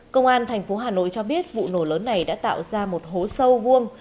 công an thành phố hà nội cho biết vụ nổ lớn này đã tạo ra một hố sâu vuông